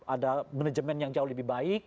ada manajemen yang jauh lebih baik